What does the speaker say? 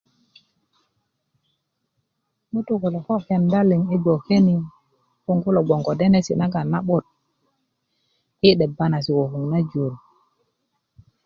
ŋutu kulo ko kenda i bgoke ni ko kulo bgoŋ ko denesi nagon na'but i 'deba na se ko na jur